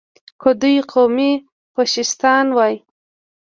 که دوی قومي فشیستان وای.